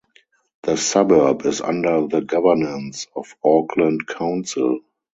The suburb is under the governance of Auckland Council.